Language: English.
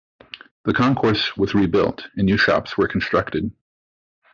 The concourse was rebuilt and new shops were constructed.